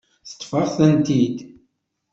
Teṭṭef-aɣ-tent-id.